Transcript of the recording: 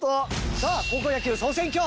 さあ高校野球総選挙。